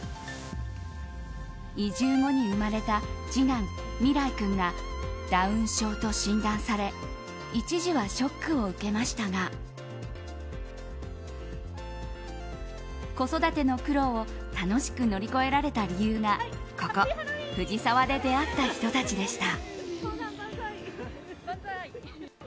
移住後に生まれた次男・美良生君がダウン症と診断され一時はショックを受けましたが子育ての苦労を楽しく乗り越えられた理由がここ、藤沢で出会った人たちでした。